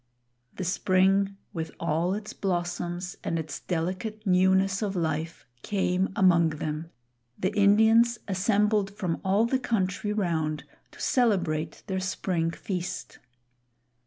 The Spring, with all its blossoms and its delicate newness of life, came among them; the Indians assembled from all the country round to celebrate their spring feast.